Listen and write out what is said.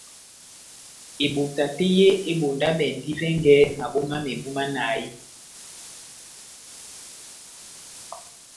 Ebota tɛ́h yé ebondabɛndi vɛngɛ mabo mámebu manahi.